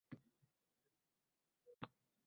Lekin bundan nima foyda?